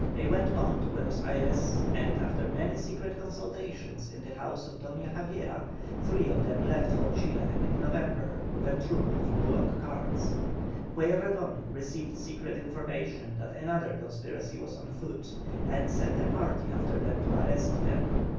They went on to Buenos Ayres, and, after many secret consultations at the house of Doña Javiera, three of them left for Chile in November with a troop of bullock carts. Pueyrredon received secret information that another conspiracy was on foot, and sent a party after them to arrest them.